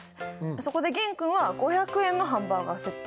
そこで玄君は５００円のハンバーガーセット。